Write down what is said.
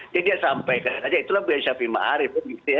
jadi dia sampaikan saja itulah biaya syafi'i ma'rif